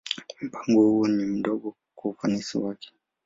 Mpango huo ni mdogo kwa ufanisi wake.